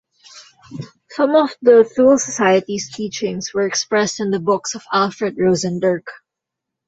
Some of the Thule Society's teachings were expressed in the books of Alfred Rosenberg.